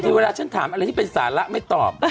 คือเวลาฉันถามอะไรที่เป็นสาระไม่ตอบ